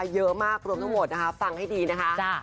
เยอะมากรวมทั้งหมดนะคะฟังให้ดีนะคะ